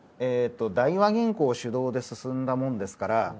大和銀行主導で進んだものですから。